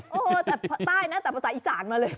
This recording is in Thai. โอ้โหแต่ใต้นะแต่ภาษาอีสานมาเลย